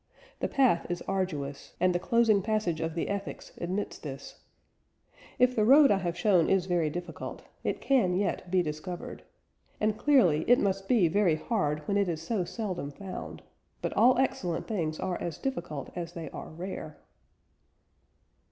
The path is arduous, and the closing passage of the Ethics admits this: "If the road I have shown is very difficult, it can yet be discovered. And clearly it must be very hard when it is so seldom found.... But all excellent things are as difficult as they are rare."